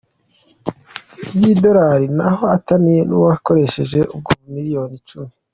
bw’idolari ntaho ataniye n’uwakoresheje ubwa miliyoni icumi